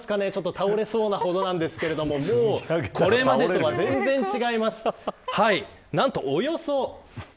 倒れそうなほどですがこれまでとは全然違います。